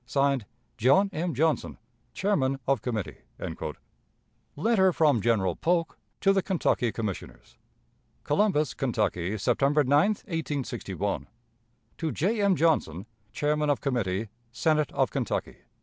(Signed) "John M. Johnson, "Chairman of Committee." Letter from General Polk to the Kentucky Commissioners. Columbus, Kentucky, September 9, 1861. To J. M. Johnson, _Chairman of Committee, Senate of Kentucky.